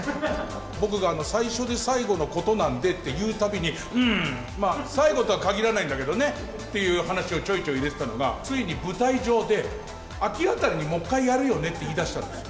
僕が最初で最後のことなんでって言うたびに、うーん、まあ最後とは限らないんだけどねっていう話をちょいちょい入れてたのが、ついに舞台上で、明らかにもう一回やるよねって言いだしたんですよ。